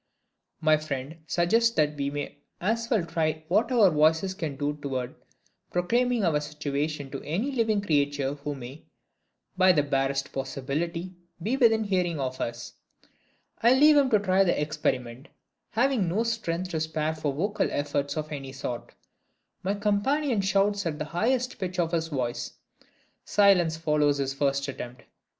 My friend suggests that we may as well try what our voices can do toward proclaiming our situation to any living creature who may, by the barest possibility, be within hearing of us. I leave him to try the experiment, having no strength to spare for vocal efforts of any sort. My companion shouts at the highest pitch of his voice. Silence follows his first attempt.